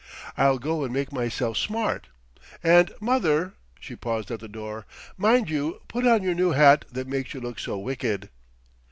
"I'll go and make myself smart; and mother" she paused at the door "mind you put on your new hat that makes you look so wicked."